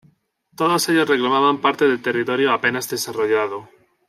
Todos ellos reclamaban parte del territorio apenas desarrollado.